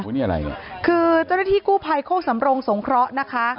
คือไม่อะไรคือเจ้าที่กู่ภัยโฆ่งสำรองสงเคราะห์นะคะ